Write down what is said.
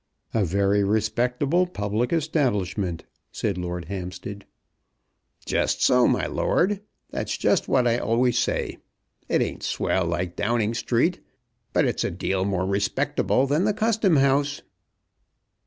"A very respectable public establishment!" said Lord Hampstead. "Just so, my lord; that's just what I always say. It ain't swell like Downing Street, but it's a deal more respectable than the Custom House."